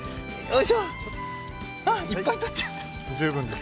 いっぱいとっちゃった。